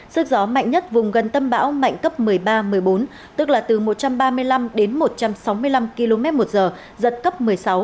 sức gió mạnh nhất vùng gần tâm bão mạnh cấp một mươi ba một mươi bốn tức là từ một trăm ba mươi năm đến một trăm sáu mươi năm km một giờ giật cấp một mươi sáu